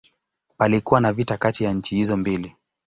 Palikuwa na vita kati ya nchi hizo mbili.